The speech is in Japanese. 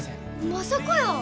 まさかやー。